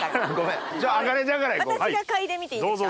私が嗅いでみていいですか？